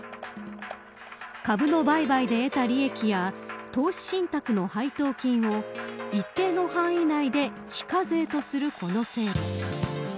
株の売買で得た利益や投資信託の配当金を一定の範囲内で非課税とするこの制度。